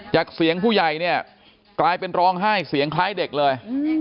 จากเสียงผู้ใหญ่เนี่ยกลายเป็นร้องไห้เสียงคล้ายเด็กเลย